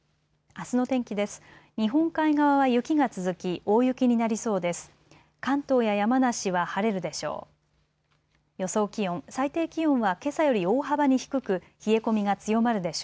あすの天気です。